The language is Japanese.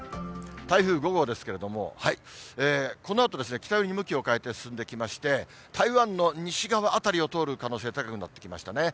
台風５号ですけれども、このあと北寄りに向きを変えて進んできまして、台湾の西側辺りを通る可能性高くなってきましたね。